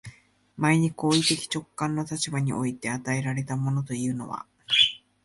前に行為的直観の立場において与えられたものというのは、